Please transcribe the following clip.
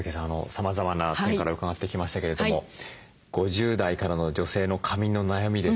さまざまな点から伺ってきましたけれども５０代からの女性の髪の悩みですね